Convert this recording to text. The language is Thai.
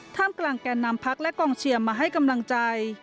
กลางแก่นำพักและกองเชียร์มาให้กำลังใจ